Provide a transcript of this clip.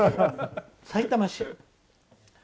さいたま市。